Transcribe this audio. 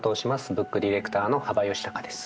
ブックディレクターの幅允孝です。